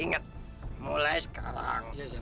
ingat mulai sekarang